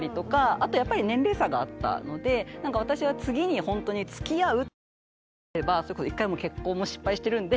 あとやっぱり年齢差があったので私は次にほんとにつきあうってするのであればそれこそ１回結婚も失敗してるんで。